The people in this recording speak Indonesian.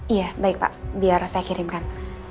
iya baik pak biar saya kirimkan